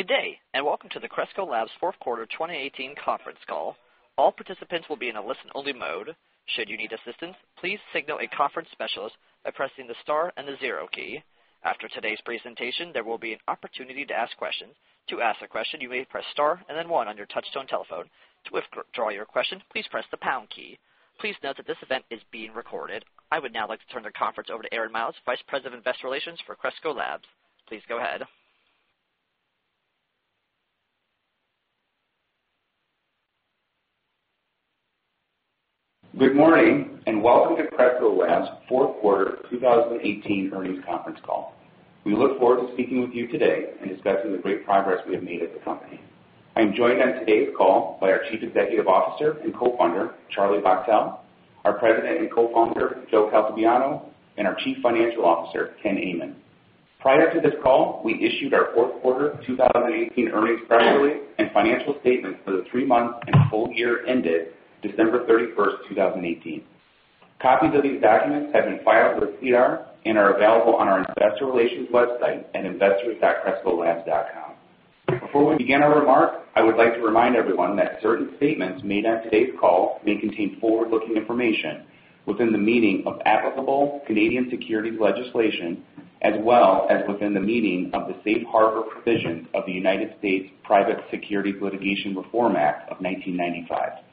Good day, and welcome to the Cresco Labs Fourth Quarter 2018 Conference Call. All participants will be in a listen-only mode. Should you need assistance, please signal a conference specialist by pressing the star and the zero key. After today's presentation, there will be an opportunity to ask questions. To ask a question, you may press star and then one on your touch-tone telephone. To withdraw your question, please press the pound key. Please note that this event is being recorded. I would now like to turn the conference over to Aaron Miles, Vice President of Investor Relations for Cresco Labs. Please go ahead. Good morning, and welcome to Cresco Labs' Fourth Quarter 2018 Earnings Conference Call. We look forward to speaking with you today and discussing the great progress we have made as a company. I am joined on today's call by our Chief Executive Officer and Co-founder, Charlie Bachtell, our President and Co-founder, Joe Caltabiano, and our Chief Financial Officer, Ken Amann. Prior to this call, we issued our fourth quarter two thousand and eighteen earnings press release and financial statements for the three months and full year ended December thirty-first, two thousand and eighteen. Copies of these documents have been filed with SEDAR and are available on our investor relations website at investor.crescolabs.com. Before we begin our remarks, I would like to remind everyone that certain statements made on today's call may contain forward-looking information within the meaning of applicable Canadian securities legislation, as well as within the meaning of the Safe Harbor provisions of the United States Private Securities Litigation Reform Act of 1995.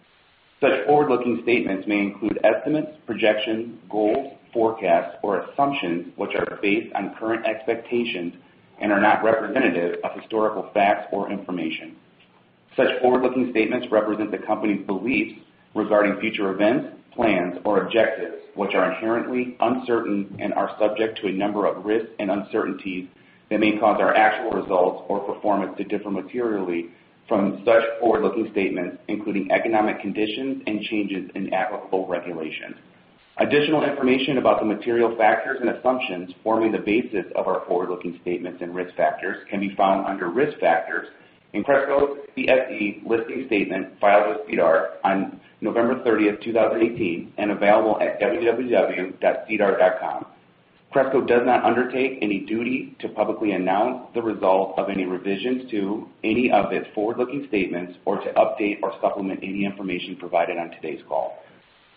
Such forward-looking statements may include estimates, projections, goals, forecasts, or assumptions, which are based on current expectations and are not representative of historical facts or information. Such forward-looking statements represent the company's beliefs regarding future events, plans, or objectives, which are inherently uncertain and are subject to a number of risks and uncertainties that may cause our actual results or performance to differ materially from such forward-looking statements, including economic conditions and changes in applicable regulations. Additional information about the material factors and assumptions forming the basis of our forward-looking statements and risk factors can be found under Risk Factors in Cresco's CSE Listing Statement, filed with SEDAR on November thirtieth, two thousand and eighteen, and available at www.sedar.com. Cresco does not undertake any duty to publicly announce the results of any revisions to any of its forward-looking statements or to update or supplement any information provided on today's call.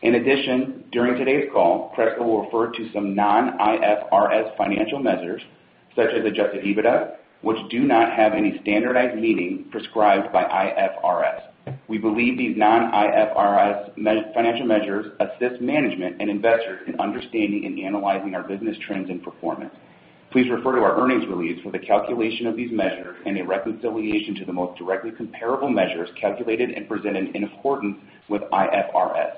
In addition, during today's call, Cresco will refer to some non-IFRS financial measures, such as adjusted EBITDA, which do not have any standardized meaning prescribed by IFRS. We believe these non-IFRS financial measures assist management and investors in understanding and analyzing our business trends and performance. Please refer to our earnings release for the calculation of these measures and a reconciliation to the most directly comparable measures calculated and presented in accordance with IFRS.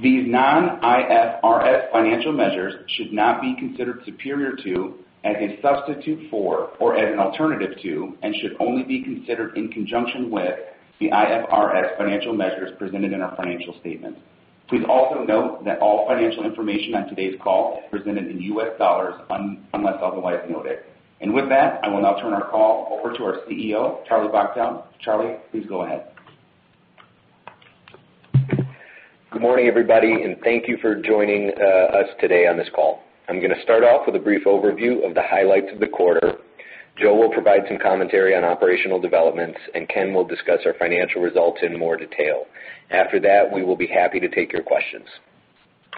These non-IFRS financial measures should not be considered superior to, as a substitute for, or as an alternative to, and should only be considered in conjunction with the IFRS financial measures presented in our financial statement. Please also note that all financial information on today's call is presented in U.S. dollars unless otherwise noted. With that, I will now turn our call over to our CEO, Charlie Bachtell. Charlie, please go ahead. Good morning, everybody, and thank you for joining us today on this call. I'm going to start off with a brief overview of the highlights of the quarter. Joe will provide some commentary on operational developments, and Ken will discuss our financial results in more detail. After that, we will be happy to take your questions.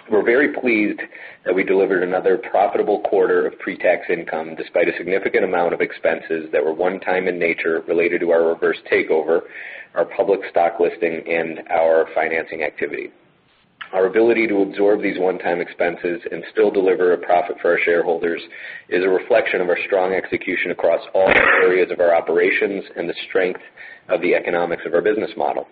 We're very pleased that we delivered another profitable quarter of pre-tax income, despite a significant amount of expenses that were one-time in nature related to our reverse takeover, our public stock listing, and our financing activity. Our ability to absorb these one-time expenses and still deliver a profit for our shareholders is a reflection of our strong execution across all areas of our operations and the strength of the economics of our business model.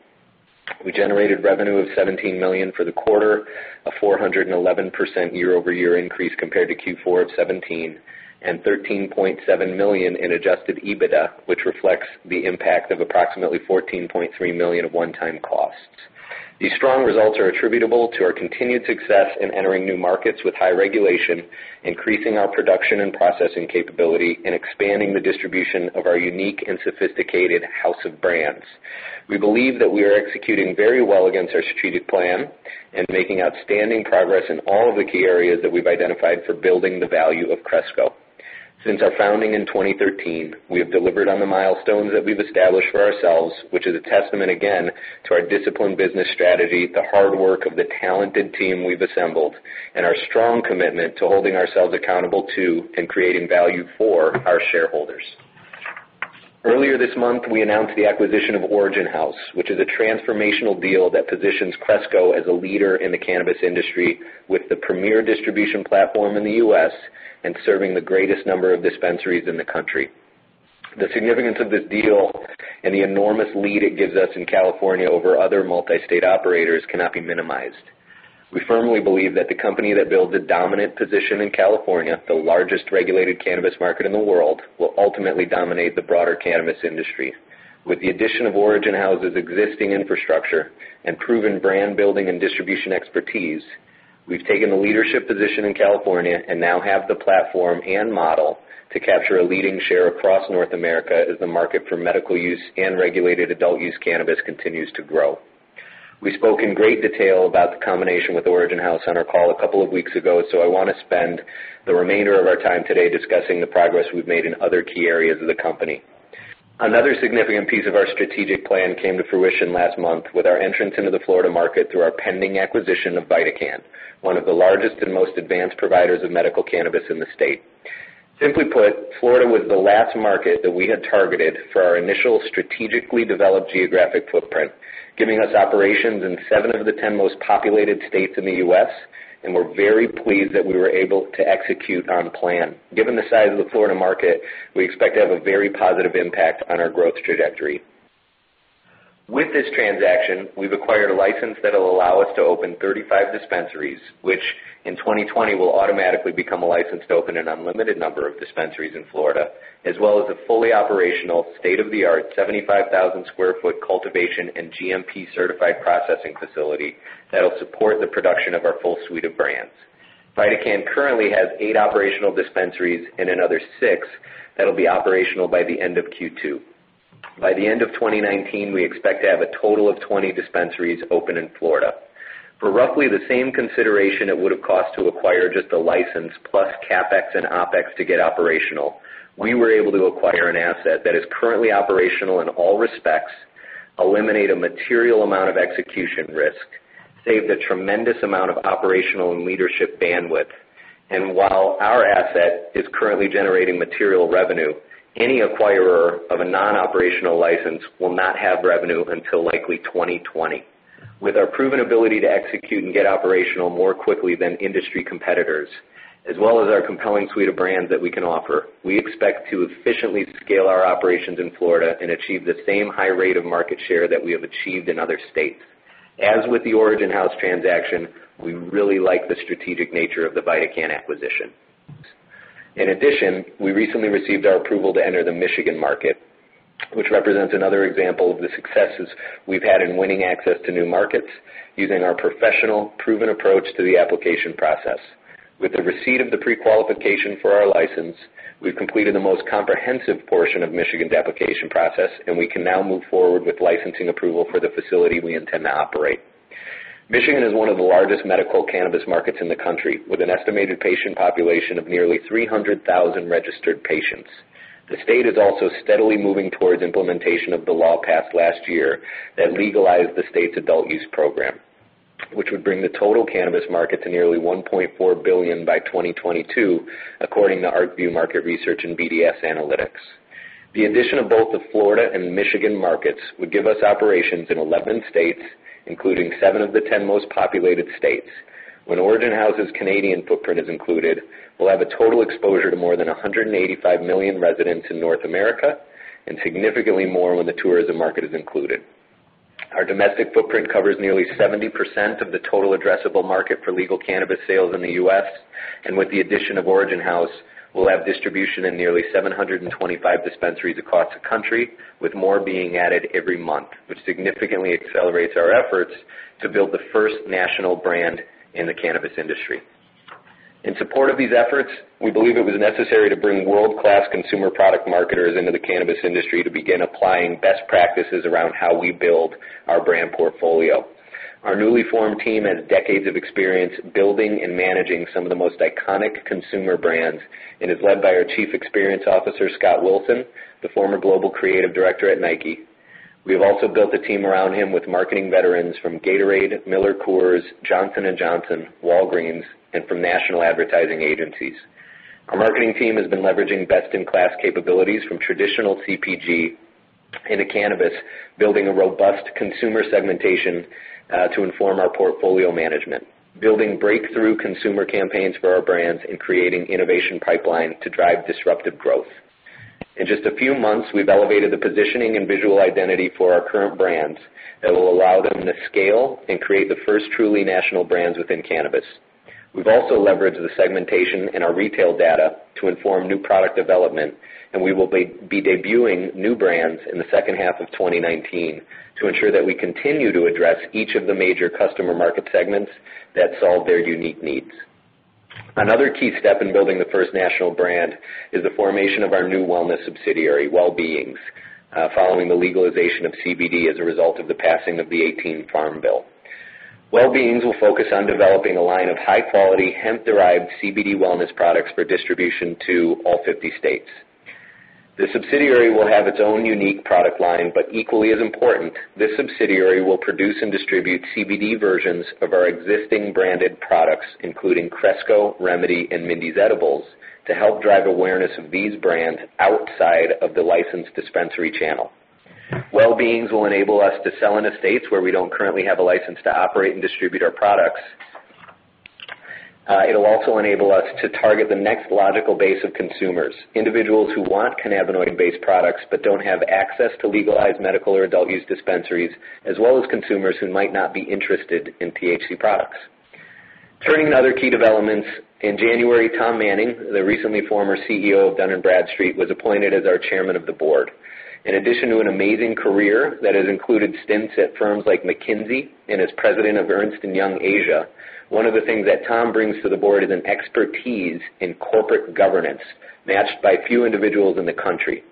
We generated revenue of $17 million for the quarter, a 411% year-over-year increase compared to Q4 of 2017, and $13.7 million in Adjusted EBITDA, which reflects the impact of approximately $14.3 million of one-time costs. These strong results are attributable to our continued success in entering new markets with high regulation, increasing our production and processing capability, and expanding the distribution of our unique and sophisticated house of brands. We believe that we are executing very well against our strategic plan and making outstanding progress in all of the key areas that we've identified for building the value of Cresco. Since our founding in 2013, we have delivered on the milestones that we've established for ourselves, which is a testament again to our disciplined business strategy, the hard work of the talented team we've assembled, and our strong commitment to holding ourselves accountable to and creating value for our shareholders. Earlier this month, we announced the acquisition of Origin House, which is a transformational deal that positions Cresco as a leader in the cannabis industry with the premier distribution platform in the U.S. and serving the greatest number of dispensaries in the country. The significance of this deal and the enormous lead it gives us in California over other multi-state operators cannot be minimized. We firmly believe that the company that builds a dominant position in California, the largest regulated cannabis market in the world, will ultimately dominate the broader cannabis industry. With the addition of Origin House's existing infrastructure and proven brand building and distribution expertise, we've taken a leadership position in California and now have the platform and model to capture a leading share across North America as the market for medical use and regulated adult use cannabis continues to grow. We spoke in great detail about the combination with Origin House on our call a couple of weeks ago, so I want to spend the remainder of our time today discussing the progress we've made in other key areas of the company. Another significant piece of our strategic plan came to fruition last month with our entrance into the Florida market through our pending acquisition of VidaCann, one of the largest and most advanced providers of medical cannabis in the state. Simply put, Florida was the last market that we had targeted for our initial strategically developed geographic footprint, giving us operations in 7 of the 10 most populated states in the U.S., and we're very pleased that we were able to execute on plan. Given the size of the Florida market, we expect to have a very positive impact on our growth trajectory. With this transaction, we've acquired a license that will allow us to open 35 dispensaries, which in 2020, will automatically become a license to open an unlimited number of dispensaries in Florida, as well as a fully operational, state-of-the-art, 75,000 sq ft cultivation and GMP-certified processing facility that will support the production of our full suite of brands. VidaCann currently has 8 operational dispensaries and another 6 that'll be operational by the end of Q2. By the end of 2019, we expect to have a total of 20 dispensaries open in Florida. For roughly the same consideration it would have cost to acquire just the license, plus CapEx and OpEx to get operational, we were able to acquire an asset that is currently operational in all respects, eliminate a material amount of execution risk, save the tremendous amount of operational and leadership bandwidth, and while our asset is currently generating material revenue, any acquirer of a non-operational license will not have revenue until likely 2020. With our proven ability to execute and get operational more quickly than industry competitors, as well as our compelling suite of brands that we can offer, we expect to efficiently scale our operations in Florida and achieve the same high rate of market share that we have achieved in other states. As with the Origin House transaction, we really like the strategic nature of the VidaCann acquisition. In addition, we recently received our approval to enter the Michigan market, which represents another example of the successes we've had in winning access to new markets, using our professional, proven approach to the application process. With the receipt of the prequalification for our license, we've completed the most comprehensive portion of Michigan's application process, and we can now move forward with licensing approval for the facility we intend to operate. Michigan is one of the largest medical cannabis markets in the country, with an estimated patient population of nearly three hundred thousand registered patients. The state is also steadily moving towards implementation of the law passed last year that legalized the state's adult use program, which would bring the total cannabis market to nearly $1.4 billion by 2022, according to ArcView Market Research and BDS Analytics. The addition of both the Florida and Michigan markets would give us operations in 11 states, including seven of the 10 most populated states. When Origin House's Canadian footprint is included, we'll have a total exposure to more than 185 million residents in North America, and significantly more when the tourism market is included. Our domestic footprint covers nearly 70% of the total addressable market for legal cannabis sales in the U.S., and with the addition of Origin House, we'll have distribution in nearly 725 dispensaries across the country, with more being added every month, which significantly accelerates our efforts to build the first national brand in the cannabis industry. In support of these efforts, we believe it was necessary to bring world-class consumer product marketers into the cannabis industry to begin applying best practices around how we build our brand portfolio. Our newly formed team has decades of experience building and managing some of the most iconic consumer brands, and is led by our Chief Experience Officer, Scott Wilson, the former Global Creative Director at Nike. We have also built a team around him with marketing veterans from Gatorade, MillerCoors, Johnson & Johnson, Walgreens, and from national advertising agencies. Our marketing team has been leveraging best-in-class capabilities from traditional CPG into cannabis, building a robust consumer segmentation to inform our portfolio management, building breakthrough consumer campaigns for our brands, and creating innovation pipeline to drive disruptive growth. In just a few months, we've elevated the positioning and visual identity for our current brands that will allow them to scale and create the first truly national brands within cannabis. We've also leveraged the segmentation in our retail data to inform new product development, and we will be debuting new brands in the second half of twenty nineteen to ensure that we continue to address each of the major customer market segments that solve their unique needs. Another key step in building the first national brand is the formation of our new wellness subsidiary, Well Beings, following the legalization of CBD as a result of the passing of the 2018 Farm Bill. Well Beings will focus on developing a line of high-quality, hemp-derived CBD wellness products for distribution to all 50 states. The subsidiary will have its own unique product line, but equally as important, this subsidiary will produce and distribute CBD versions of our existing branded products, including Cresco, Remedy, and Mindy's Edibles, to help drive awareness of these brands outside of the licensed dispensary channel. Well Beings will enable us to sell in the states where we don't currently have a license to operate and distribute our products. It'll also enable us to target the next logical base of consumers, individuals who want cannabinoid-based products but don't have access to legalized medical or adult use dispensaries, as well as consumers who might not be interested in THC products. Turning to other key developments, in January, Tom Manning, the recently former CEO of Dun & Bradstreet, was appointed as our Chairman of the Board. In addition to an amazing career that has included stints at firms like McKinsey and as president of Ernst & Young Asia, one of the things that Tom brings to the board is an expertise in corporate governance, matched by few individuals in the country.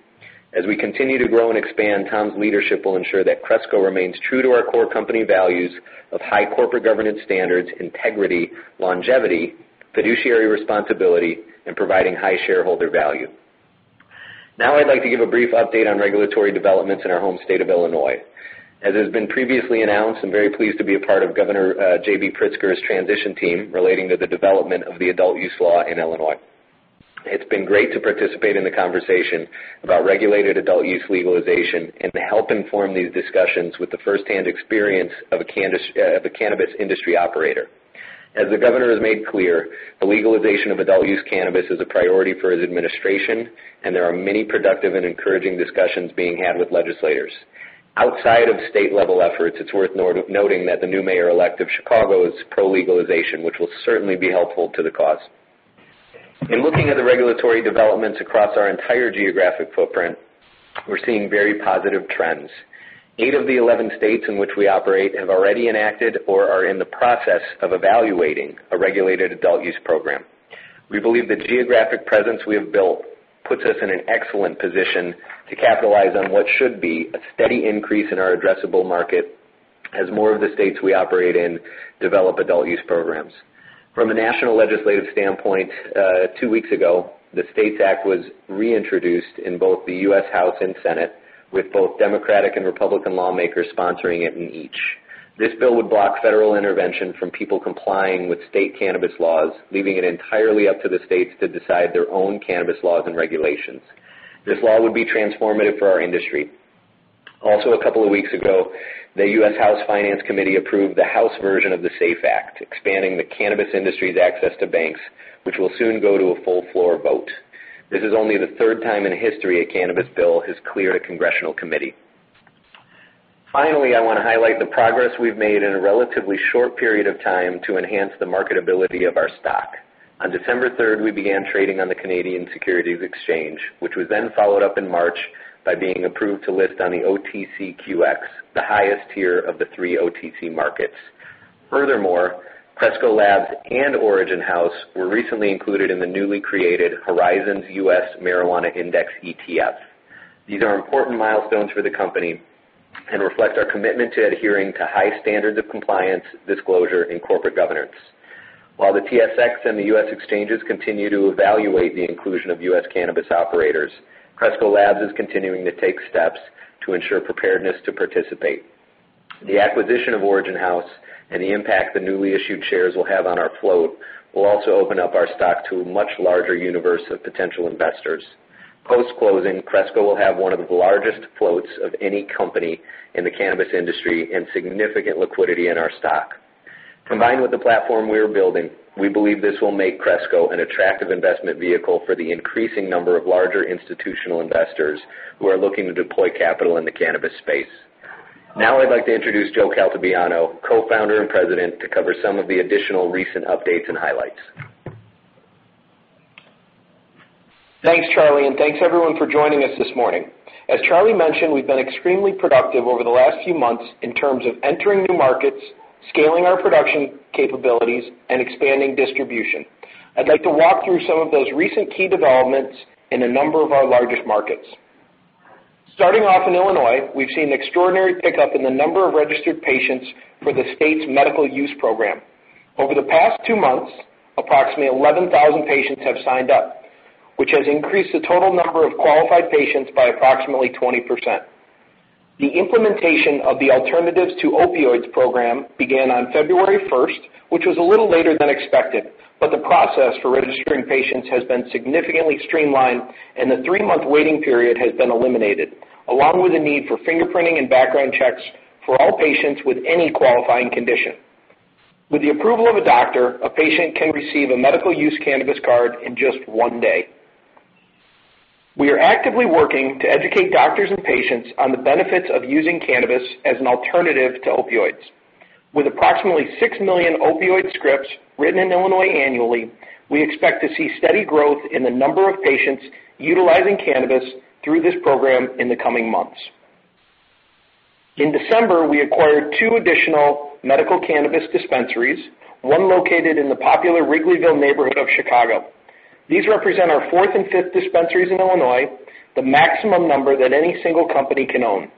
As we continue to grow and expand, Tom's leadership will ensure that Cresco remains true to our core company values of high corporate governance standards, integrity, longevity, fiduciary responsibility, and providing high shareholder value. Now, I'd like to give a brief update on regulatory developments in our home state of Illinois. As has been previously announced, I'm very pleased to be a part of Governor, uh, J.B. Pritzker's transition team relating to the development of the adult use law in Illinois. It's been great to participate in the conversation about regulated adult use legalization and to help inform these discussions with the first-hand experience of a cannabis industry operator. As the governor has made clear, the legalization of adult use cannabis is a priority for his administration, and there are many productive and encouraging discussions being had with legislators. Outside of state-level efforts, it's worth noting that the new mayor-elect of Chicago is pro-legalization, which will certainly be helpful to the cause. In looking at the regulatory developments across our entire geographic footprint, we're seeing very positive trends. Eight of the eleven states in which we operate have already enacted or are in the process of evaluating a regulated adult use program. We believe the geographic presence we have built puts us in an excellent position to capitalize on what should be a steady increase in our addressable market as more of the states we operate in develop adult use programs. From a national legislative standpoint, two weeks ago, the STATES Act was reintroduced in both the U.S. House and Senate, with both Democratic and Republican lawmakers sponsoring it in each. This bill would block federal intervention from people complying with state cannabis laws, leaving it entirely up to the states to decide their own cannabis laws and regulations. This law would be transformative for our industry. Also, a couple of weeks ago, the U.S. House Finance Committee approved the House version of the SAFE Act, expanding the cannabis industry's access to banks, which will soon go to a full floor vote. This is only the third time in history a cannabis bill has cleared a congressional committee. Finally, I want to highlight the progress we've made in a relatively short period of time to enhance the marketability of our stock. On December third, we began trading on the Canadian Securities Exchange, which was then followed up in March by being approved to list on the OTCQX, the highest tier of the three OTC markets. Furthermore, Cresco Labs and Origin House were recently included in the newly created Horizons U.S. Marijuana Index ETF. These are important milestones for the company and reflect our commitment to adhering to high standards of compliance, disclosure, and corporate governance. While the TSX and the U.S. Exchanges continue to evaluate the inclusion of U.S. cannabis operators, Cresco Labs is continuing to take steps to ensure preparedness to participate. The acquisition of Origin House and the impact the newly issued shares will have on our float will also open up our stock to a much larger universe of potential investors. Post-closing, Cresco will have one of the largest floats of any company in the cannabis industry and significant liquidity in our stock. Combined with the platform we are building, we believe this will make Cresco an attractive investment vehicle for the increasing number of larger institutional investors who are looking to deploy capital in the cannabis space. Now, I'd like to introduce Joe Caltabiano, co-founder and president, to cover some of the additional recent updates and highlights. Thanks, Charlie, and thanks, everyone, for joining us this morning. As Charlie mentioned, we've been extremely productive over the last few months in terms of entering new markets, scaling our production capabilities, and expanding distribution. I'd like to walk through some of those recent key developments in a number of our largest markets. Starting off in Illinois, we've seen extraordinary pickup in the number of registered patients for the state's medical use program. Over the past two months, approximately eleven thousand patients have signed up, which has increased the total number of qualified patients by approximately 20%. The implementation of the Alternatives to Opioids Program began on February first, which was a little later than expected, but the process for registering patients has been significantly streamlined, and the three-month waiting period has been eliminated, along with the need for fingerprinting and background checks for all patients with any qualifying condition. With the approval of a doctor, a patient can receive a medical use cannabis card in just one day. We are actively working to educate doctors and patients on the benefits of using cannabis as an alternative to opioids. With approximately six million opioid scripts written in Illinois annually, we expect to see steady growth in the number of patients utilizing cannabis through this program in the coming months. In December, we acquired two additional medical cannabis dispensaries, one located in the popular Wrigleyville neighborhood of Chicago. These represent our fourth and fifth dispensaries in Illinois, the maximum number that any single company can own.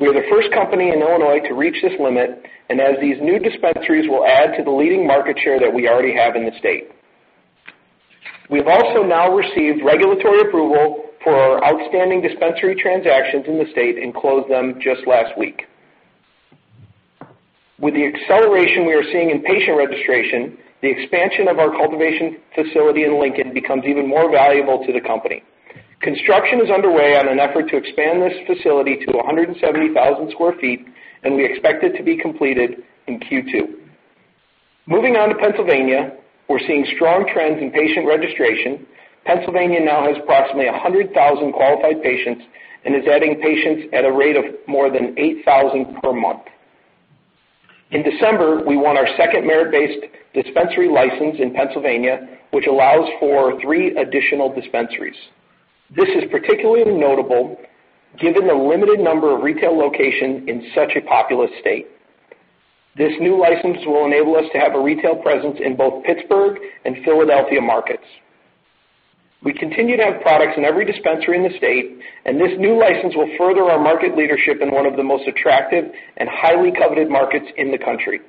We are the first company in Illinois to reach this limit, and as these new dispensaries will add to the leading market share that we already have in the state. We've also now received regulatory approval for our outstanding dispensary transactions in the state and closed them just last week. With the acceleration we are seeing in patient registration, the expansion of our cultivation facility in Lincoln becomes even more valuable to the company. Construction is underway on an effort to expand this facility to 170,000 sq ft, and we expect it to be completed in Q2. Moving on to Pennsylvania, we're seeing strong trends in patient registration. Pennsylvania now has approximately a hundred thousand qualified patients and is adding patients at a rate of more than eight thousand per month. In December, we won our second merit-based dispensary license in Pennsylvania, which allows for three additional dispensaries. This is particularly notable given the limited number of retail locations in such a populous state. This new license will enable us to have a retail presence in both Pittsburgh and Philadelphia markets. We continue to have products in every dispensary in the state, and this new license will further our market leadership in one of the most attractive and highly coveted markets in the country.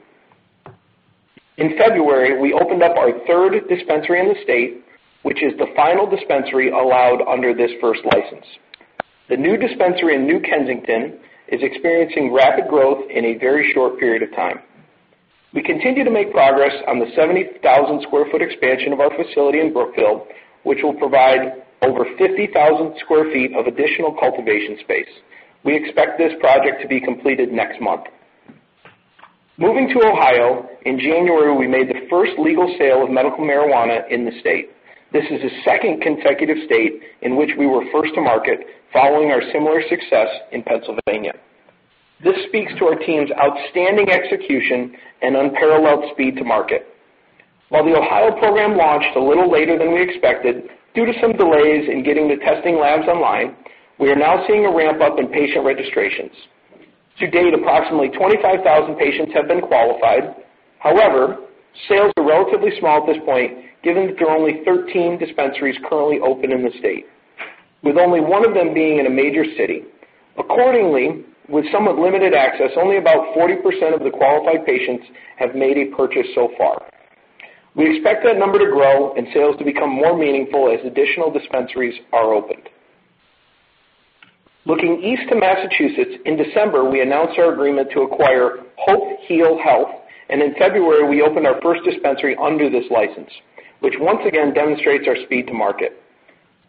In February, we opened up our third dispensary in the state, which is the final dispensary allowed under this first license. The new dispensary in New Kensington is experiencing rapid growth in a very short period of time. We continue to make progress on the 70,000 sq ft expansion of our facility in Brookville, which will provide over 50,000 sq ft of additional cultivation space. We expect this project to be completed next month. Moving to Ohio, in January, we made the first legal sale of medical marijuana in the state. This is the second consecutive state in which we were first to market, following our similar success in Pennsylvania. This speaks to our team's outstanding execution and unparalleled speed to market. While the Ohio program launched a little later than we expected, due to some delays in getting the testing labs online, we are now seeing a ramp-up in patient registrations. To date, approximately 25,000 patients have been qualified. However, sales are relatively small at this point, given that there are only 13 dispensaries currently open in the state, with only one of them being in a major city. Accordingly, with somewhat limited access, only about 40% of the qualified patients have made a purchase so far. We expect that number to grow and sales to become more meaningful as additional dispensaries are opened. Looking east to Massachusetts, in December, we announced our agreement to acquire Hope Heal Health, and in February, we opened our first dispensary under this license, which once again demonstrates our speed to market.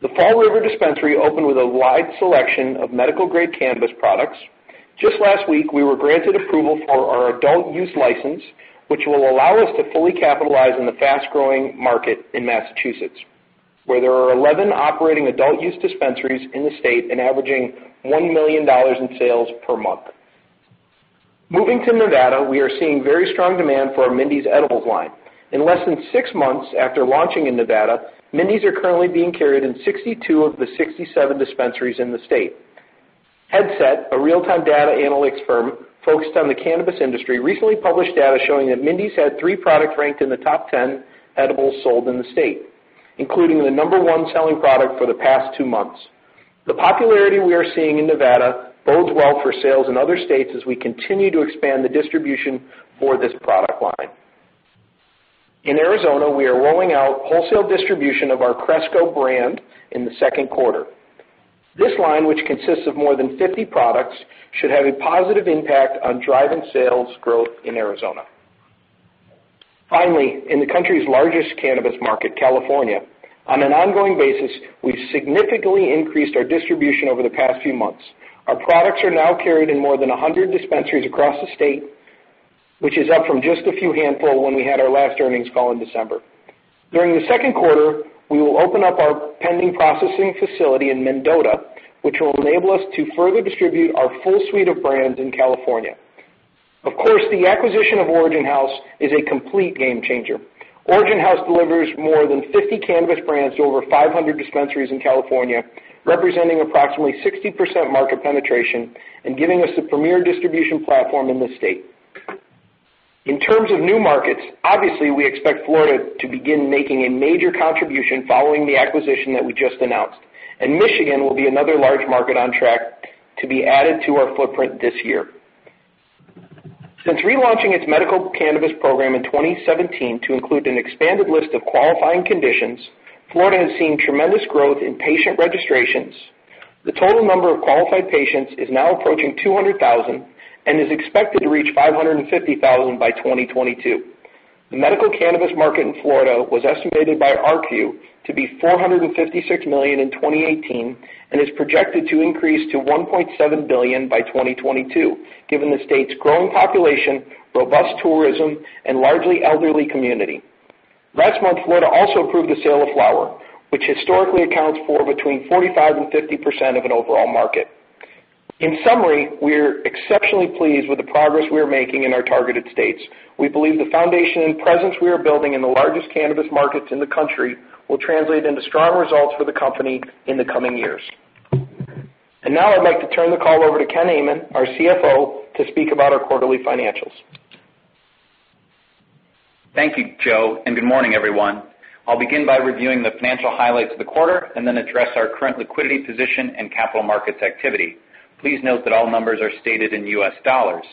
The Fall River dispensary opened with a wide selection of medical-grade cannabis products. Just last week, we were granted approval for our adult use license, which will allow us to fully capitalize on the fast-growing market in Massachusetts, where there are eleven operating adult use dispensaries in the state and averaging $1 million in sales per month. Moving to Nevada, we are seeing very strong demand for our Mindy's Edibles line. In less than six months after launching in Nevada, Mindy's are currently being carried in 62 of the 67 dispensaries in the state. Headset, a real-time data analytics firm focused on the cannabis industry, recently published data showing that Mindy's had three products ranked in the top 10 edibles sold in the state, including the number one selling product for the past two months. The popularity we are seeing in Nevada bodes well for sales in other states as we continue to expand the distribution for this product line. In Arizona, we are rolling out wholesale distribution of our Cresco brand in the second quarter. This line, which consists of more than 50 products, should have a positive impact on driving sales growth in Arizona. Finally, in the country's largest cannabis market, California, on an ongoing basis, we've significantly increased our distribution over the past few months. Our products are now carried in more than 100 dispensaries across the state, which is up from just a few handfuls when we had our last earnings call in December. During the second quarter, we will open up our pending processing facility in Mendota, which will enable us to further distribute our full suite of brands in California. Of course, the acquisition of Origin House is a complete game changer. Origin House delivers more than 50 cannabis brands to over 500 dispensaries in California, representing approximately 60% market penetration and giving us a premier distribution platform in the state. In terms of new markets, obviously, we expect Florida to begin making a major contribution following the acquisition that we just announced, and Michigan will be another large market on track to be added to our footprint this year. Since relaunching its medical cannabis program in 2017 to include an expanded list of qualifying conditions, Florida has seen tremendous growth in patient registrations. The total number of qualified patients is now approaching 200,000 and is expected to reach 550,000 by 2022. The medical cannabis market in Florida was estimated by ArcView to be $456 million in 2018, and is projected to increase to $1.7 billion by 2022, given the state's growing population, robust tourism, and largely elderly community. Last month, Florida also approved the sale of flower, which historically accounts for between 45% and 50% of an overall market. In summary, we're exceptionally pleased with the progress we are making in our targeted states. We believe the foundation and presence we are building in the largest cannabis markets in the country will translate into strong results for the company in the coming years. And now I'd like to turn the call over to Ken Amann, our CFO, to speak about our quarterly financials. Thank you, Joe, and good morning, everyone. I'll begin by reviewing the financial highlights of the quarter and then address our current liquidity position and capital markets activity. Please note that all numbers are stated in US dollars.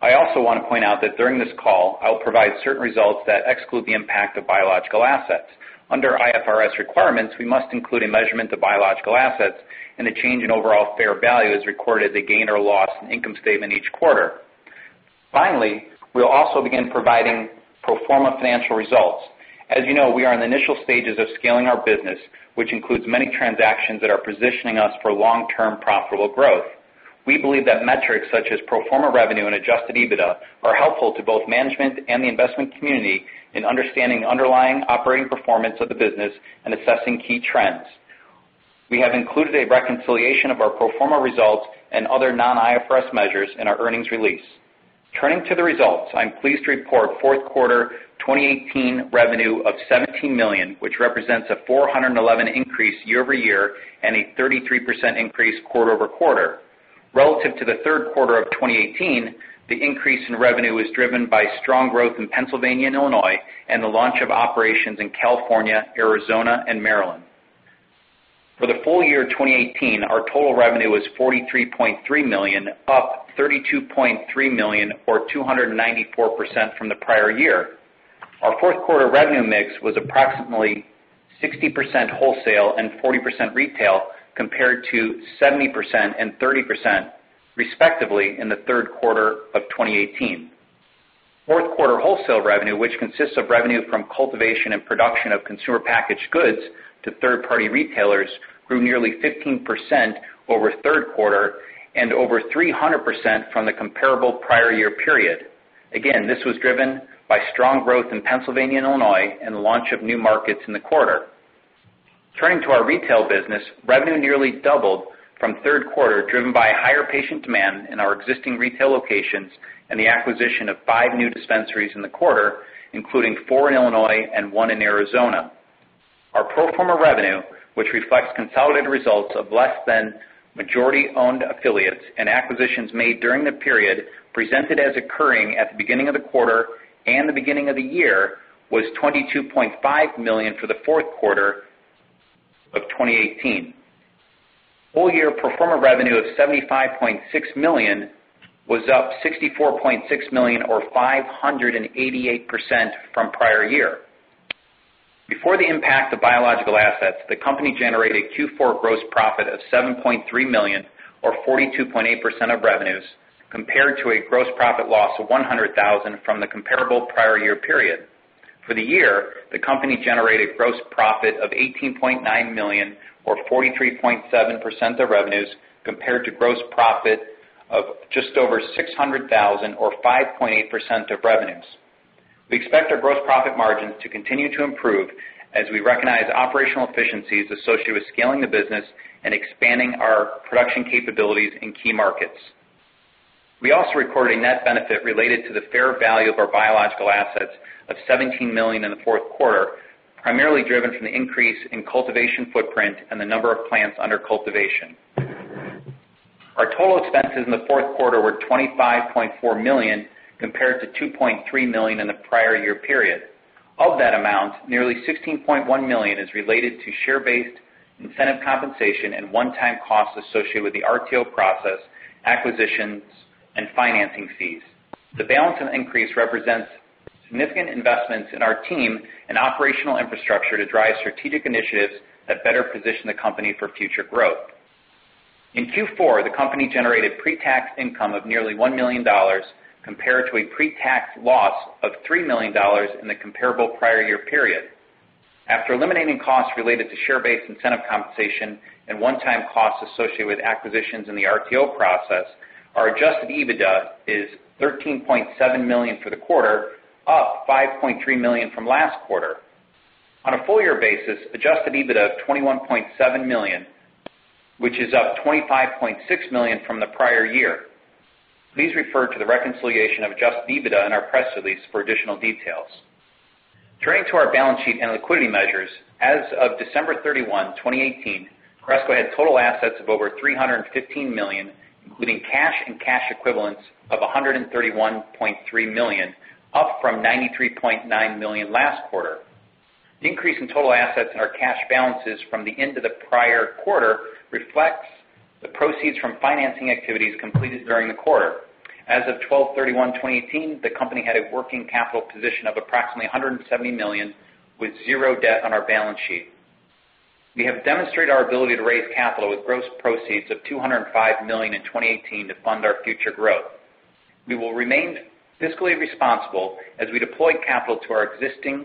I also want to point out that during this call, I'll provide certain results that exclude the impact of biological assets. Under IFRS requirements, we must include a measurement of biological assets, and the change in overall fair value is recorded as a gain or loss in income statement each quarter. Finally, we'll also begin providing pro forma financial results. As you know, we are in the initial stages of scaling our business, which includes many transactions that are positioning us for long-term profitable growth. We believe that metrics such as pro forma revenue and adjusted EBITDA are helpful to both management and the investment community in understanding underlying operating performance of the business and assessing key trends. We have included a reconciliation of our pro forma results and other non-IFRS measures in our earnings release. Turning to the results, I'm pleased to report fourth quarter 2018 revenue of $17 million, which represents a 411% increase year over year and a 33% increase quarter over quarter. Relative to the third quarter of 2018, the increase in revenue was driven by strong growth in Pennsylvania and Illinois, and the launch of operations in California, Arizona, and Maryland. For the full year 2018, our total revenue was $43.3 million, up $32.3 million or 294% from the prior year. Our fourth quarter revenue mix was approximately 60% wholesale and 40% retail, compared to 70% and 30%, respectively, in the third quarter of 2018. Fourth quarter wholesale revenue, which consists of revenue from cultivation and production of consumer packaged goods to third-party retailers, grew nearly 15% over third quarter and over 300% from the comparable prior year period. Again, this was driven by strong growth in Pennsylvania and Illinois and the launch of new markets in the quarter. Turning to our retail business, revenue nearly doubled from third quarter, driven by higher patient demand in our existing retail locations and the acquisition of five new dispensaries in the quarter, including four in Illinois and one in Arizona. Our pro forma revenue, which reflects consolidated results of less than majority-owned affiliates and acquisitions made during the period, presented as occurring at the beginning of the quarter and the beginning of the year, was $22.5 million for the fourth quarter of 2018. Full year pro forma revenue of $75.6 million was up $64.6 million, or 588%, from prior year. Before the impact of biological assets, the company generated a Q4 gross profit of $7.3 million, or 42.8% of revenues, compared to a gross profit loss of $100,000 from the comparable prior year period. For the year, the company generated gross profit of $18.9 million, or 43.7% of revenues, compared to gross profit of just over $600,000 or 5.8% of revenues. We expect our gross profit margins to continue to improve as we recognize operational efficiencies associated with scaling the business and expanding our production capabilities in key markets. We also recorded a net benefit related to the fair value of our biological assets of $17 million in the fourth quarter, primarily driven from the increase in cultivation footprint and the number of plants under cultivation. Our total expenses in the fourth quarter were $25.4 million, compared to $2.3 million in the prior year period. Of that amount, nearly $16.1 million is related to share-based incentive compensation and one-time costs associated with the RTO process, acquisitions, and financing fees. The balance of increase represents significant investments in our team and operational infrastructure to drive strategic initiatives that better position the company for future growth. In Q4, the company generated pre-tax income of nearly $1 million, compared to a pre-tax loss of $3 million in the comparable prior year period. After eliminating costs related to share-based incentive compensation and one-time costs associated with acquisitions in the RTO process, our adjusted EBITDA is $13.7 million for the quarter, up $5.3 million from last quarter. On a full year basis, adjusted EBITDA of $21.7 million, which is up $25.6 million from the prior year. Please refer to the reconciliation of adjusted EBITDA in our press release for additional details. Turning to our balance sheet and liquidity measures, as of December 31, 2018, Cresco had total assets of over $315 million, including cash and cash equivalents of $131.3 million, up from $93.9 million last quarter. The increase in total assets and our cash balances from the end of the prior quarter reflects the proceeds from financing activities completed during the quarter. As of December 31, 2018, the company had a working capital position of approximately $170 million, with zero debt on our balance sheet. We have demonstrated our ability to raise capital with gross proceeds of $205 million in 2018 to fund our future growth. We will remain fiscally responsible as we deploy capital to our existing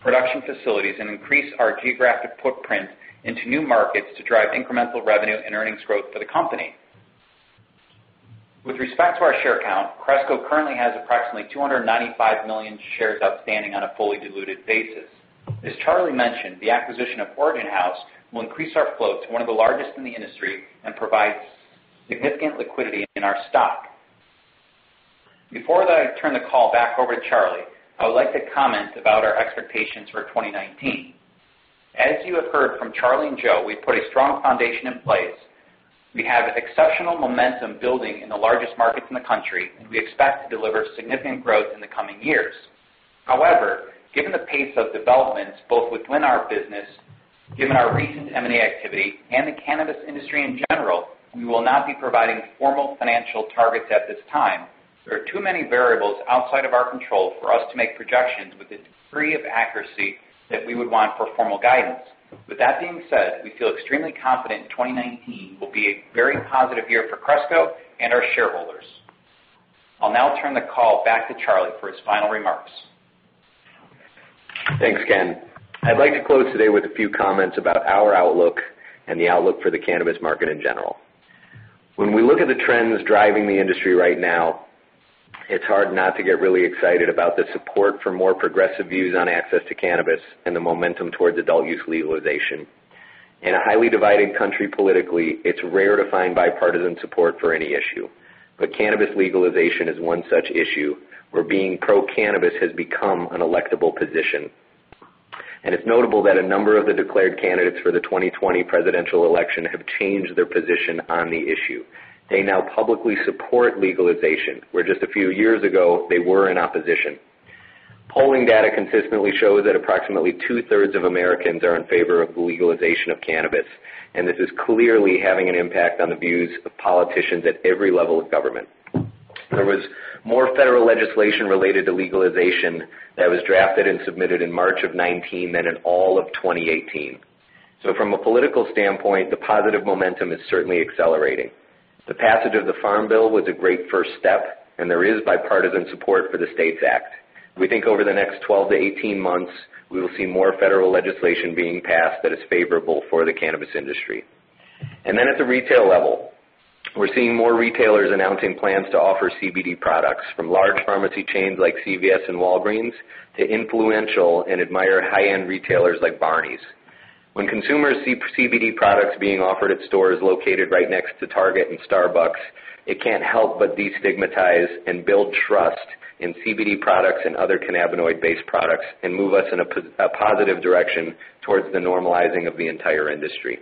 production facilities and increase our geographic footprint into new markets to drive incremental revenue and earnings growth for the company. With respect to our share count, Cresco currently has approximately 295 million shares outstanding on a fully diluted basis. As Charlie mentioned, the acquisition of Origin House will increase our float to one of the largest in the industry and provide significant liquidity in our stock. Before I turn the call back over to Charlie, I would like to comment about our expectations for 2019. As you have heard from Charlie and Joe, we've put a strong foundation in place. We have exceptional momentum building in the largest markets in the country, and we expect to deliver significant growth in the coming years. However, given the pace of developments, both within our business, given our recent M&A activity and the cannabis industry in general, we will not be providing formal financial targets at this time. There are too many variables outside of our control for us to make projections with the degree of accuracy that we would want for formal guidance. With that being said, we feel extremely confident twenty nineteen will be a very positive year for Cresco and our shareholders. I'll now turn the call back to Charlie for his final remarks. Thanks, Ken. I'd like to close today with a few comments about our outlook and the outlook for the cannabis market in general. When we look at the trends driving the industry right now, it's hard not to get really excited about the support for more progressive views on access to cannabis and the momentum towards adult use legalization. In a highly divided country politically, it's rare to find bipartisan support for any issue, but cannabis legalization is one such issue where being pro-cannabis has become an electable position. And it's notable that a number of the declared candidates for the twenty twenty presidential election have changed their position on the issue. They now publicly support legalization, where just a few years ago, they were in opposition. Polling data consistently shows that approximately two-thirds of Americans are in favor of the legalization of cannabis, and this is clearly having an impact on the views of politicians at every level of government. There was more federal legislation related to legalization that was drafted and submitted in March of 2019 than in all of 2018. So from a political standpoint, the positive momentum is certainly accelerating. The passage of the Farm Bill was a great first step, and there is bipartisan support for the STATES Act. We think over the next 12-18 months, we will see more federal legislation being passed that is favorable for the cannabis industry. And then at the retail level, we're seeing more retailers announcing plans to offer CBD products, from large pharmacy chains like CVS and Walgreens, to influential and admired high-end retailers like Barneys. When consumers see CBD products being offered at stores located right next to Target and Starbucks, it can't help but destigmatize and build trust in CBD products and other cannabinoid-based products and move us in a positive direction towards the normalizing of the entire industry.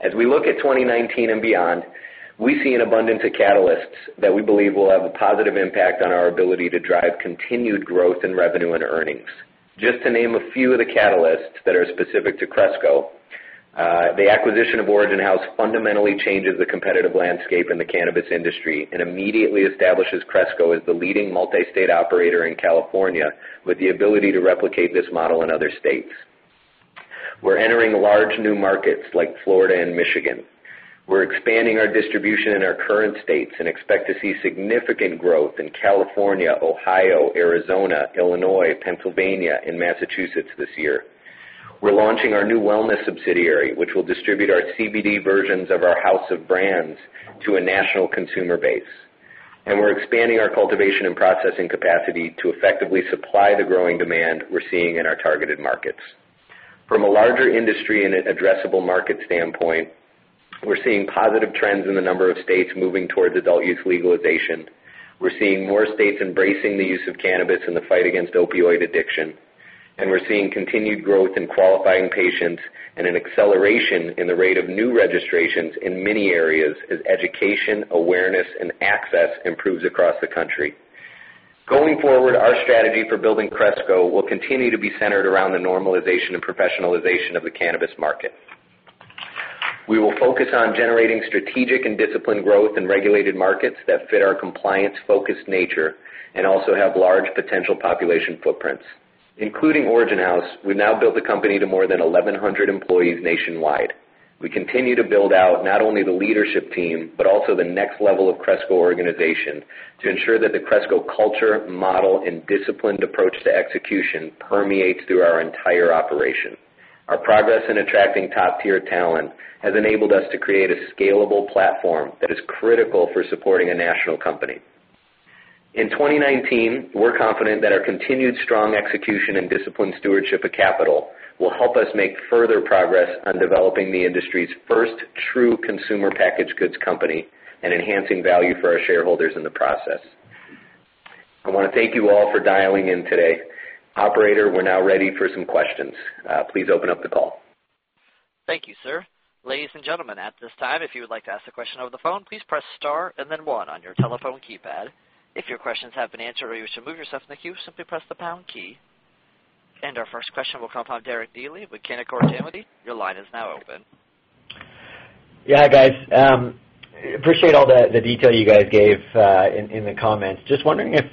As we look at 2019 and beyond, we see an abundance of catalysts that we believe will have a positive impact on our ability to drive continued growth in revenue and earnings. Just to name a few of the catalysts that are specific to Cresco, the acquisition of Origin House fundamentally changes the competitive landscape in the cannabis industry and immediately establishes Cresco as the leading multi-state operator in California, with the ability to replicate this model in other states. We're entering large new markets like Florida and Michigan. We're expanding our distribution in our current states and expect to see significant growth in California, Ohio, Arizona, Illinois, Pennsylvania, and Massachusetts this year. We're launching our new wellness subsidiary, which will distribute our CBD versions of our house of brands to a national consumer base, and we're expanding our cultivation and processing capacity to effectively supply the growing demand we're seeing in our targeted markets. From a larger industry and an addressable market standpoint, we're seeing positive trends in the number of states moving towards adult use legalization. We're seeing more states embracing the use of cannabis in the fight against opioid addiction, and we're seeing continued growth in qualifying patients and an acceleration in the rate of new registrations in many areas as education, awareness, and access improves across the country. Going forward, our strategy for building Cresco will continue to be centered around the normalization and professionalization of the cannabis market. We will focus on generating strategic and disciplined growth in regulated markets that fit our compliance-focused nature and also have large potential population footprints. Including Origin House, we've now built the company to more than eleven hundred employees nationwide. We continue to build out not only the leadership team, but also the next level of Cresco organization, to ensure that the Cresco culture, model, and disciplined approach to execution permeates through our entire operation. Our progress in attracting top-tier talent has enabled us to create a scalable platform that is critical for supporting a national company. In 2019, we're confident that our continued strong execution and disciplined stewardship of capital will help us make further progress on developing the industry's first true consumer packaged goods company and enhancing value for our shareholders in the process. I want to thank you all for dialing in today. Operator, we're now ready for some questions. Please open up the call. Thank you, sir. Ladies and gentlemen, at this time, if you would like to ask a question over the phone, please press star and then one on your telephone keypad. If your questions have been answered or you wish to move yourself in the queue, simply press the pound key. And our first question will come from Derek Dley with Canaccord Genuity. Your line is now open. Yeah, guys, appreciate all the detail you guys gave in the comments. Just wondering if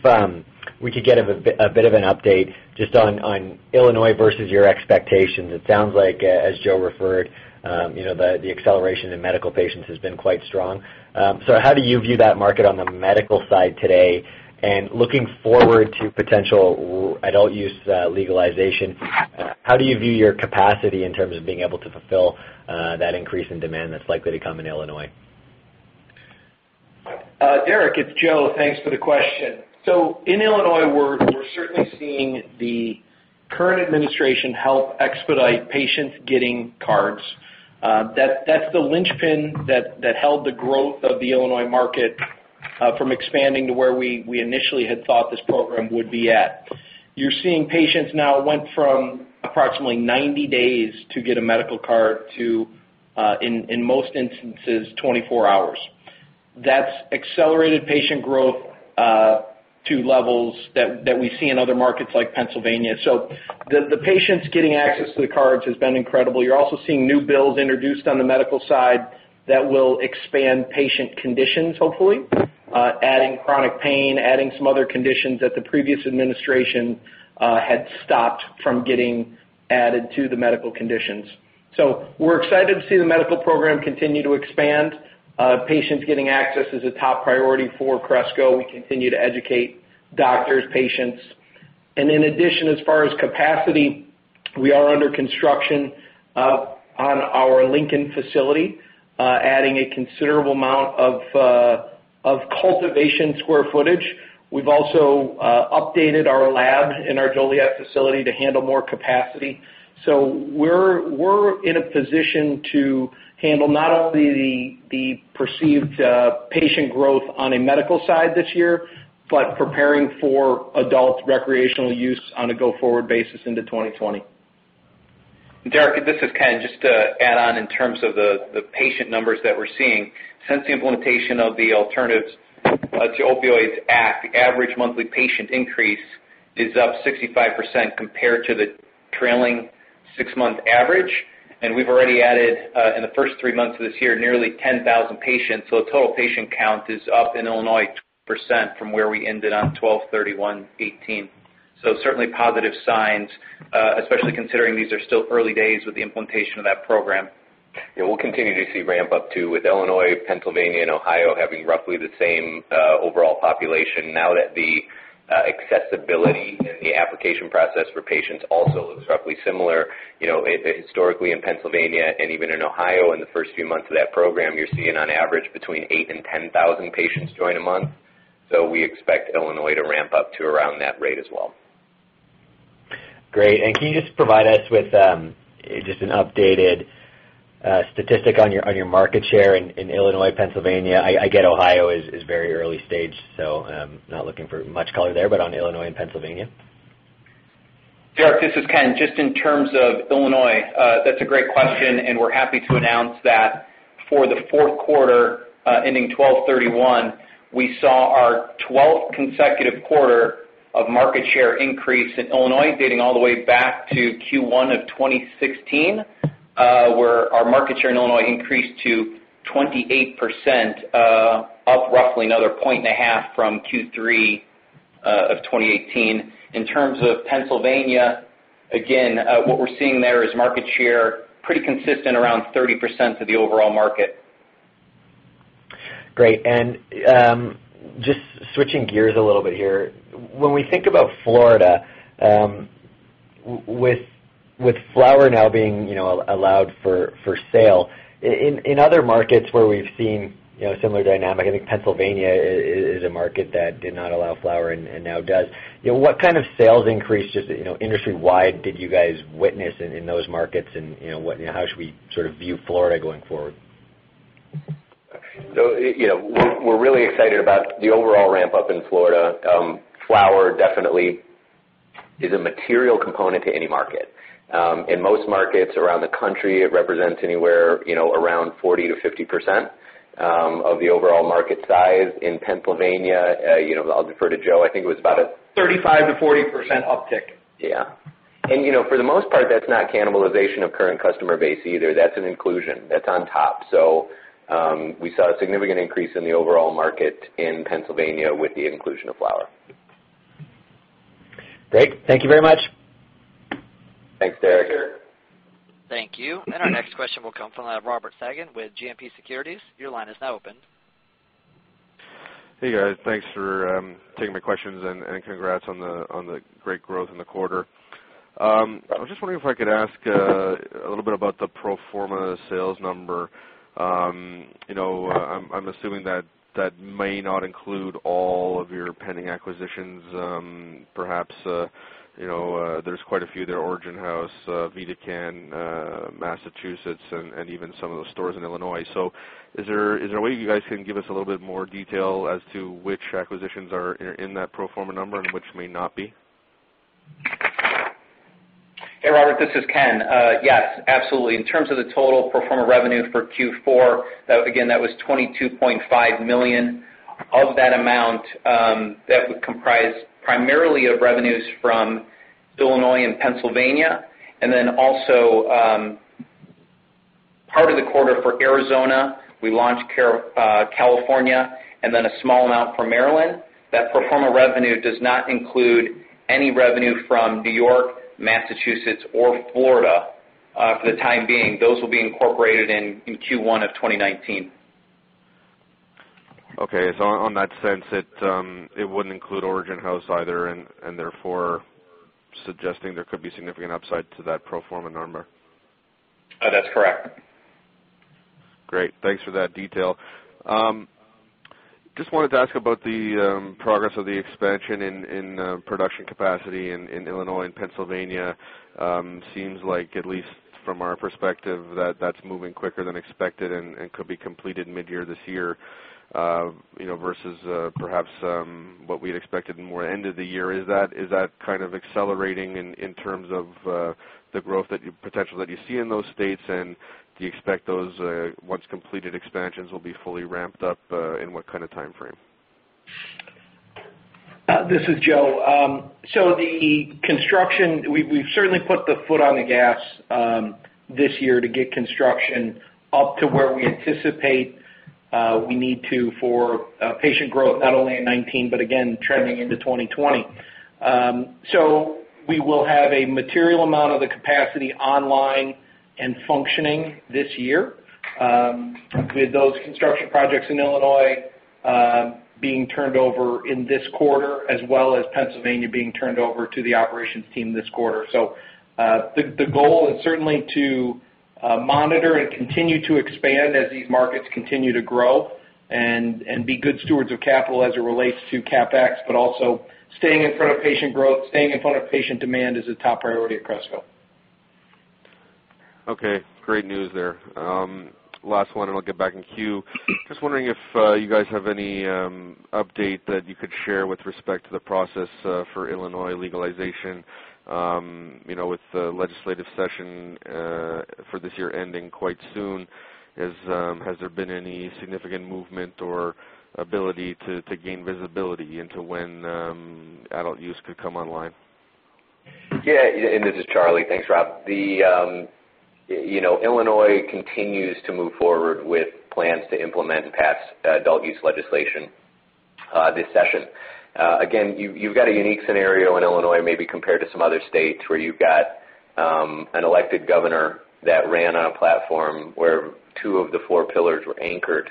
we could get a bit of an update just on Illinois versus your expectations. It sounds like, as Joe referred, you know, the acceleration in medical patients has been quite strong. So how do you view that market on the medical side today? And looking forward to potential adult use legalization, how do you view your capacity in terms of being able to fulfill that increase in demand that's likely to come in Illinois? Derek, it's Joe. Thanks for the question. So in Illinois, we're certainly seeing the current administration help expedite patients getting cards. That's the linchpin that held the growth of the Illinois market from expanding to where we initially had thought this program would be at. You're seeing patients now went from approximately ninety days to get a medical card to, in most instances, twenty-four hours. That's accelerated patient growth to levels that we see in other markets like Pennsylvania. So the patients getting access to the cards has been incredible. You're also seeing new bills introduced on the medical side that will expand patient conditions, hopefully adding chronic pain, adding some other conditions that the previous administration had stopped from getting added to the medical conditions. We're excited to see the medical program continue to expand. Patients getting access is a top priority for Cresco. We continue to educate doctors, patients. In addition, as far as capacity, we are under construction on our Lincoln facility, adding a considerable amount of cultivation square footage. We've also updated our lab in our Joliet facility to handle more capacity.... So we're in a position to handle not only the perceived patient growth on a medical side this year, but preparing for adult recreational use on a go-forward basis into 2020. Derek, this is Ken. Just to add on in terms of the patient numbers that we're seeing. Since the implementation of the Alternatives to Opioids Act, the average monthly patient increase is up 65% compared to the trailing six-month average. And we've already added in the first three months of this year nearly 10,000 patients. So the total patient count is up in Illinois percent from where we ended on December 31, 2018. So certainly positive signs, especially considering these are still early days with the implementation of that program. Yeah, we'll continue to see ramp up too, with Illinois, Pennsylvania, and Ohio having roughly the same overall population. Now that the accessibility and the application process for patients also looks roughly similar, you know, historically, in Pennsylvania and even in Ohio, in the first few months of that program, you're seeing on average between eight and 10 thousand patients join a month. So we expect Illinois to ramp up to around that rate as well. Great. And can you just provide us with just an updated statistic on your market share in Illinois, Pennsylvania? I get Ohio is very early stage, so not looking for much color there, but on Illinois and Pennsylvania. Derek, this is Ken. Just in terms of Illinois, that's a great question, and we're happy to announce that for the fourth quarter ending December 31, we saw our twelfth consecutive quarter of market share increase in Illinois, dating all the way back to Q1 of 2016, where our market share in Illinois increased to 28%, up roughly another point and a half from Q3 of 2018. In terms of Pennsylvania, again, what we're seeing there is market share pretty consistent around 30% of the overall market. Great. And, just switching gears a little bit here. When we think about Florida, with flower now being, you know, allowed for sale, in other markets where we've seen, you know, similar dynamic, I think Pennsylvania is a market that did not allow flower and now does. You know, what kind of sales increase just, you know, industry-wide, did you guys witness in those markets? And, you know, what, how should we sort of view Florida going forward? So, you know, we're really excited about the overall ramp up in Florida. Flower definitely is a material component to any market. In most markets around the country, it represents anywhere, you know, around 40%-50% of the overall market size. In Pennsylvania, you know, I'll defer to Joe. I think it was about a- 35%-40% uptick. Yeah, and, you know, for the most part, that's not cannibalization of current customer base either. That's an inclusion, that's on top, so we saw a significant increase in the overall market in Pennsylvania with the inclusion of flower. Great, thank you very much. Thanks, Derek. Thank you. And our next question will come from the line of Robert Fagan with GMP Securities. Your line is now open. Hey, guys, thanks for taking my questions and congrats on the great growth in the quarter. I was just wondering if I could ask a little bit about the pro forma sales number. You know, I'm assuming that may not include all of your pending acquisitions. Perhaps you know there's quite a few there, Origin House, VidaCann, Massachusetts, and even some of those stores in Illinois. So is there a way you guys can give us a little bit more detail as to which acquisitions are in that pro forma number and which may not be? Hey, Robert, this is Ken. Yes, absolutely. In terms of the total pro forma revenue for Q4, that, again, that was $22.5 million. Of that amount, that would comprise primarily of revenues from Illinois and Pennsylvania, and then also, part of the quarter for Arizona. We launched California, and then a small amount from Maryland. That pro forma revenue does not include any revenue from New York, Massachusetts, or Florida. For the time being, those will be incorporated in Q1 of 2019. Okay. So on that sense, it wouldn't include Origin House either, and therefore suggesting there could be significant upside to that pro forma number? That's correct. Great, thanks for that detail. Just wanted to ask about the progress of the expansion in production capacity in Illinois and Pennsylvania. Seems like, at least from our perspective, that that's moving quicker than expected and could be completed mid-year this year, you know, versus perhaps what we'd expected more end of the year. Is that kind of accelerating in terms of the growth potential that you see in those states? And do you expect those once completed expansions will be fully ramped up in what kind of timeframe? This is Joe. So the construction, we've certainly put the foot on the gas this year to get construction up to where we anticipate we need to for patient growth, not only in 2019, but again, trending into 2020. So we will have a material amount of the capacity online and functioning this year with those construction projects in Illinois being turned over in this quarter, as well as Pennsylvania being turned over to the operations team this quarter. The goal is certainly to monitor and continue to expand as these markets continue to grow, and be good stewards of capital as it relates to CapEx, but also staying in front of patient growth, staying in front of patient demand is a top priority at Cresco. Okay, great news there. Last one, and I'll get back in queue. Just wondering if you guys have any update that you could share with respect to the process for Illinois legalization. You know, with the legislative session for this year ending quite soon, has there been any significant movement or ability to gain visibility into when adult use could come online? Yeah, and this is Charlie. Thanks, Rob. You know, Illinois continues to move forward with plans to implement and pass adult use legislation this session. Again, you've got a unique scenario in Illinois, maybe compared to some other states, where you've got an elected governor that ran on a platform where two of the four pillars were anchored.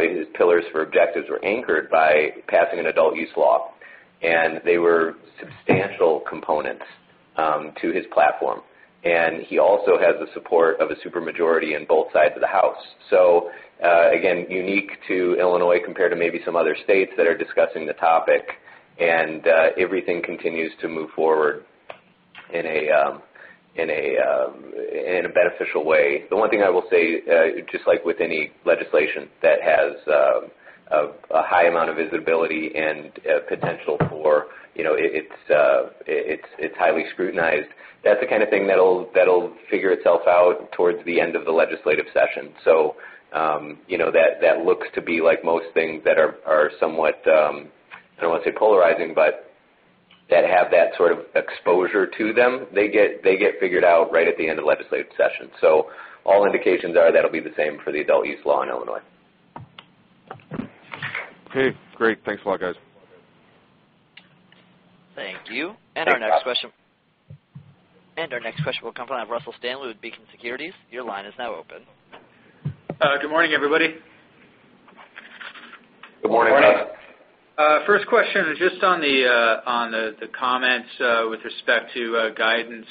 His pillars for objectives were anchored by passing an adult use law, and they were substantial components to his platform. And he also has the support of a super majority in both sides of the house. So, again, unique to Illinois compared to maybe some other states that are discussing the topic, and everything continues to move forward in a beneficial way. The one thing I will say, just like with any legislation that has a high amount of visibility and potential for, you know, it's highly scrutinized. That's the kind of thing that'll figure itself out towards the end of the legislative session. So, you know, that looks to be like most things that are somewhat, I don't want to say polarizing, but that have that sort of exposure to them. They get figured out right at the end of the legislative session. So all indications are that'll be the same for the adult use law in Illinois. Okay, great. Thanks a lot, guys. Thank you. And our next question will come from Russell Stanley with Beacon Securities. Your line is now open. Good morning, everybody. Good morning, Russ. Morning. First question is just on the comments with respect to guidance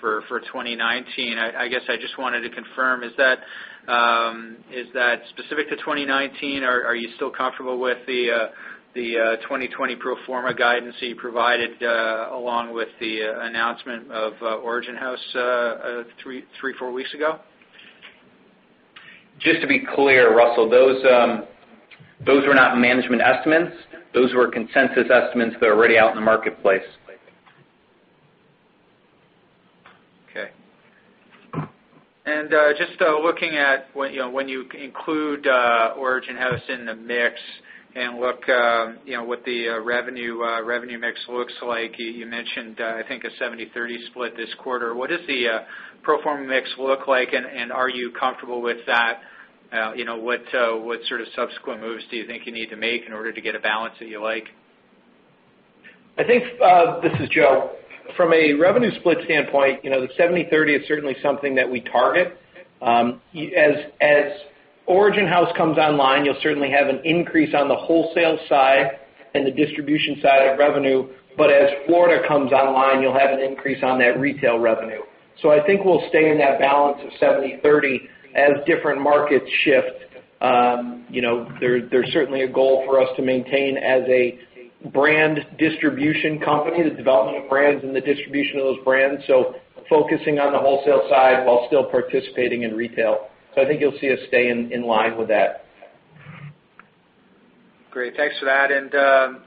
for twenty nineteen. I guess I just wanted to confirm: is that specific to twenty nineteen, or are you still comfortable with the twenty twenty pro forma guidance that you provided along with the announcement of Origin House three or four weeks ago? Just to be clear, Russell, those were not management estimates. Those were consensus estimates that are already out in the marketplace. Okay. And just looking at when, you know, when you include Origin House in the mix and look, you know, what the revenue mix looks like, you mentioned, I think, a seventy-thirty split this quarter. What does the pro forma mix look like, and are you comfortable with that? You know, what sort of subsequent moves do you think you need to make in order to get a balance that you like? I think this is Joe. From a revenue split standpoint, you know, the seventy-thirty is certainly something that we target. As Origin House comes online, you'll certainly have an increase on the wholesale side and the distribution side of revenue, but as Florida comes online, you'll have an increase on that retail revenue. So I think we'll stay in that balance of seventy-thirty as different markets shift. You know, there's certainly a goal for us to maintain as a brand distribution company, the development of brands and the distribution of those brands, so focusing on the wholesale side while still participating in retail. So I think you'll see us stay in line with that. Great. Thanks for that. And,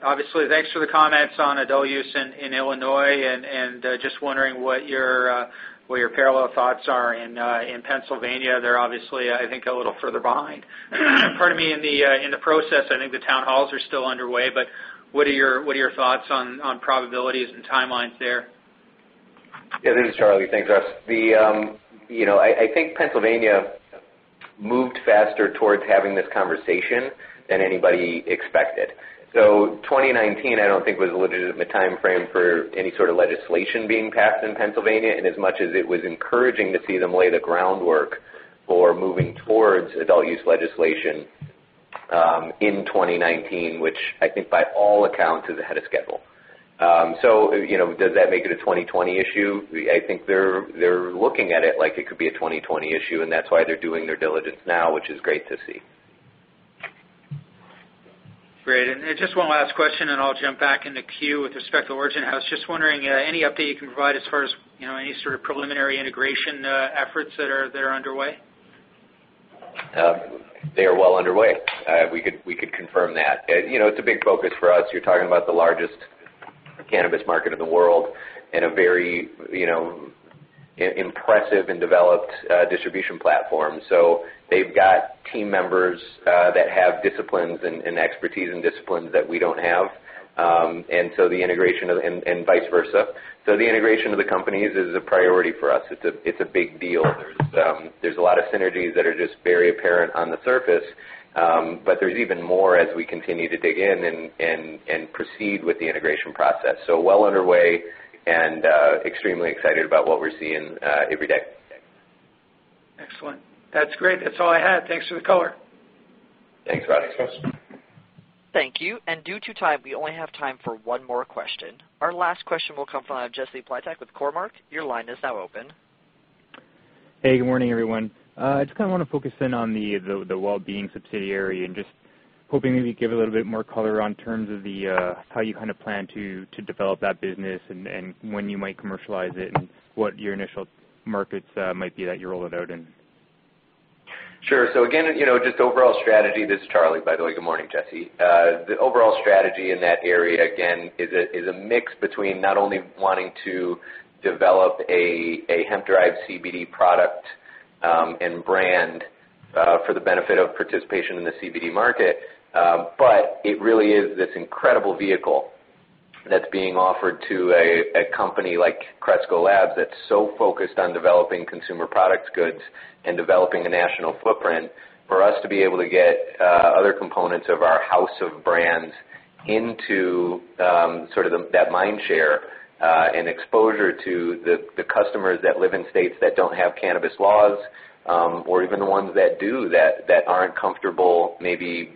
obviously, thanks for the comments on adult use in Illinois and just wondering what your parallel thoughts are in Pennsylvania. They're obviously, I think, a little further behind, pardon me, in the process. I think the town halls are still underway, but what are your thoughts on probabilities and timelines there? Yeah, this is Charlie. Thanks, Russ. You know, I think Pennsylvania moved faster towards having this conversation than anybody expected. So twenty nineteen, I don't think, was a legitimate timeframe for any sort of legislation being passed in Pennsylvania, and as much as it was encouraging to see them lay the groundwork for moving towards adult use legislation, in twenty nineteen, which I think by all accounts, is ahead of schedule, so you know, does that make it a twenty twenty issue? I think they're looking at it like it could be a twenty twenty issue, and that's why they're doing their diligence now, which is great to see. Great. And just one last question, and I'll jump back in the queue. With respect to Origin House, just wondering, any update you can provide as far as, you know, any sort of preliminary integration efforts that are underway? They are well underway. We could confirm that. You know, it's a big focus for us. You're talking about the largest cannabis market in the world and a very, you know, impressive and developed distribution platform, so they've got team members that have disciplines and expertise and disciplines that we don't have, and so the integration of and vice versa, so the integration of the companies is a priority for us. It's a big deal. There's a lot of synergies that are just very apparent on the surface, but there's even more as we continue to dig in and proceed with the integration process, so well underway and extremely excited about what we're seeing every day. Excellent. That's great. That's all I had. Thanks for the color. Thanks for asking the question. Thank you. And due to time, we only have time for one more question. Our last question will come from Jesse Pytlak with Cormark. Your line is now open. Hey, good morning, everyone. I just kind of want to focus in on the Well Beings subsidiary and just hoping you maybe give a little bit more color on terms of how you kind of plan to develop that business and when you might commercialize it, and what your initial markets might be that you roll it out in? Sure. So again, you know, just overall strategy. This is Charlie, by the way. Good morning, Jesse. The overall strategy in that area, again, is a mix between not only wanting to develop a hemp-derived CBD product and brand for the benefit of participation in the CBD market, but it really is this incredible vehicle that's being offered to a company like Cresco Labs, that's so focused on developing consumer products goods and developing a national footprint. For us to be able to get, other components of our house of brands into, sort of, the, that mind share, and exposure to the, the customers that live in states that don't have cannabis laws, or even the ones that do, that, that aren't comfortable, maybe,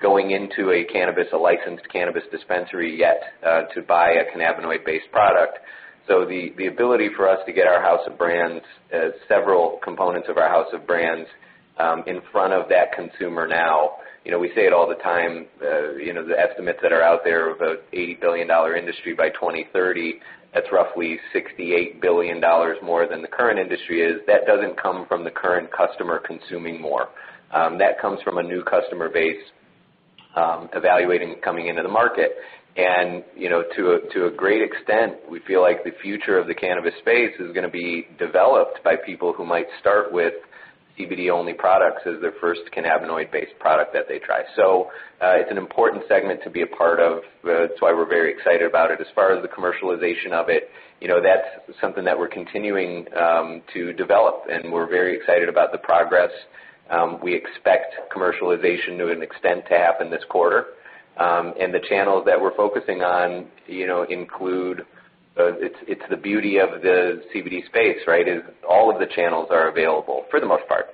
going into a cannabis, a licensed cannabis dispensary yet, to buy a cannabinoid-based product. So the, the ability for us to get our house of brands, several components of our house of brands, in front of that consumer now, you know, we say it all the time, you know, the estimates that are out there, about $80 billion industry by 2030, that's roughly $68 billion more than the current industry is. That doesn't come from the current customer consuming more. That comes from a new customer base evaluating coming into the market. And, you know, to a great extent, we feel like the future of the cannabis space is gonna be developed by people who might start with CBD-only products as their first cannabinoid-based product that they try. So, it's an important segment to be a part of. That's why we're very excited about it. As far as the commercialization of it, you know, that's something that we're continuing to develop, and we're very excited about the progress. We expect commercialization to an extent to happen this quarter. And the channels that we're focusing on, you know, include, it's the beauty of the CBD space, right? In all of the channels are available, for the most part,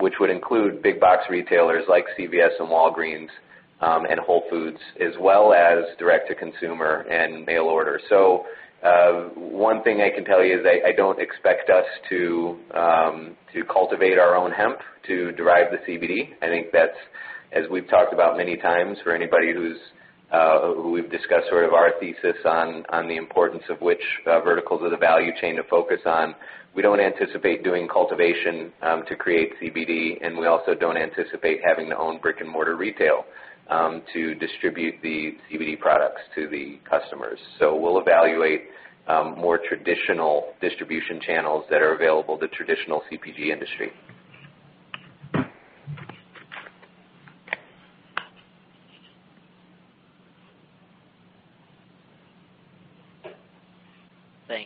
which would include big box retailers like CVS and Walgreens, and Whole Foods, as well as direct to consumer and mail order. So, one thing I can tell you is I don't expect us to to cultivate our own hemp to derive the CBD. I think that's, as we've talked about many times, for anybody who's who we've discussed sort of our thesis on, on the importance of which verticals of the value chain to focus on. We don't anticipate doing cultivation to create CBD, and we also don't anticipate having to own brick-and-mortar retail to distribute the CBD products to the customers. So we'll evaluate more traditional distribution channels that are available, the traditional CPG industry.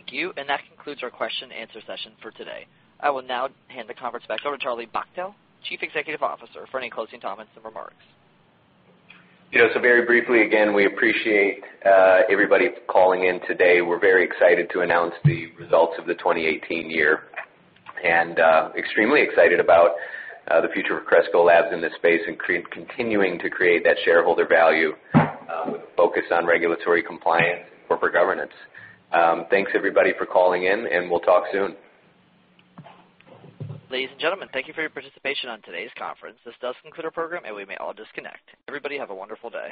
Thank you. And that concludes our question and answer session for today. I will now hand the conference back over to Charlie Bachtell, Chief Executive Officer, for any closing comments and remarks. Yeah, so very briefly, again, we appreciate everybody calling in today. We're very excited to announce the results of the 2018 year, and extremely excited about the future of Cresco Labs in this space, and continuing to create that shareholder value, with a focus on regulatory compliance and corporate governance. Thanks, everybody, for calling in, and we'll talk soon. Ladies and gentlemen, thank you for your participation on today's conference. This does conclude our program, and we may all disconnect. Everybody, have a wonderful day.